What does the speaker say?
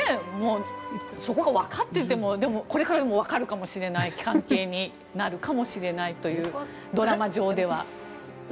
そこがわかっていてもこれからもわかるかもしれない関係になるかもしれないというドラマ上では。